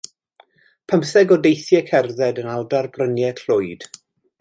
Pymtheg o deithiau cerdded yn ardal bryniau Clwyd.